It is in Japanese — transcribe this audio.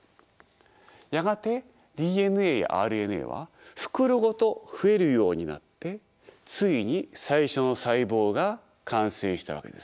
やがてＤＮＡやＲＮＡは袋ごと増えるようになってついに最初の細胞が完成したわけです。